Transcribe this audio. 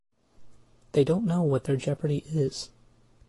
They don't know what their jeopardy is.